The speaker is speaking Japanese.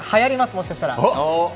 もしかしたら。